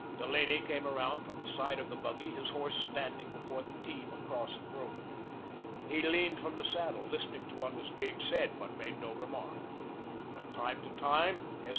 Delaney came around from the side of the buggy, his horse standing before the team across the road. He leaned from the saddle, listening to what was being said, but made no remark. From time to time, S.